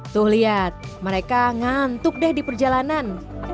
tuh lihat mereka ngantuk deh di perjalanan